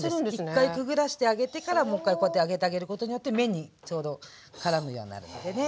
１回くぐらしてあげてからもう一回こうやって上げてあげることによって麺にちょうどからむようになるのでね。